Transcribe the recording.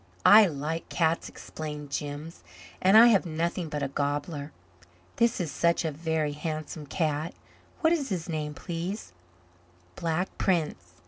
"I like cats," explained Jims, "and I have nothing but a gobbler. This is such a Very Handsome Cat. What is his name, please?" "Black Prince.